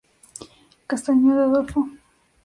Castañón, Adolfo.